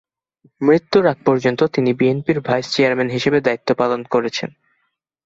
মৃত্যুর আগ পর্যন্ত তিনি বিএনপির ভাইস চেয়ারম্যান হিসেবে দায়িত্ব পালন করেছেন।